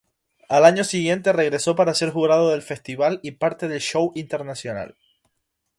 Al año siguiente, regresó para ser jurado del festival y parte del show internacional.